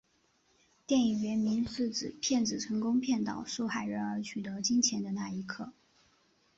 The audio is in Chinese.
电影原名是指骗子成功骗倒受害人而取得金钱的那一刻。